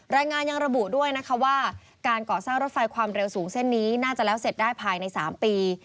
รายงานยังระบุด้วยนะคะว่าการก่อสร้างรถไฟความเร็วสูงเส้นนี้น่าจะแล้วเสร็จได้ภายใน๓ปี